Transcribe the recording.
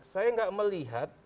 saya tidak melihat